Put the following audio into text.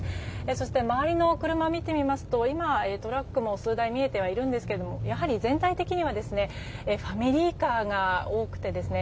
そして、周りの車を見てみますと今、トラックも数台見えてはいますがやはり全体的にはファミリーカーが多くてですね